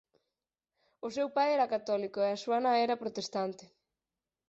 O seu pai era católico e a súa nai era protestante.